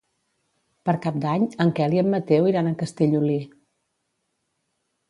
Per Cap d'Any en Quel i en Mateu iran a Castellolí.